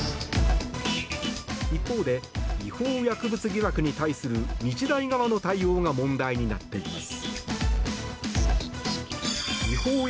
一方で、違法薬物疑惑に対する日大側の対応が問題になっています。